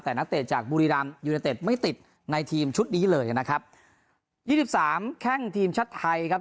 แต่นักเตะจากบุรีรำยูเนเต็ดไม่ติดในทีมชุดนี้เลยนะครับยี่สิบสามแข้งทีมชาติไทยครับ